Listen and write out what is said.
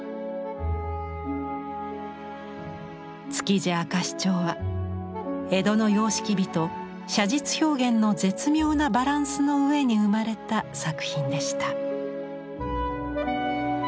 「築地明石町」は江戸の様式美と写実表現の絶妙なバランスのうえに生まれた作品でした。